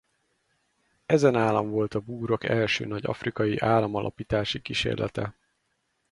Ezen állam volt a búrok első nagy afrikai államalapítási kísérlete.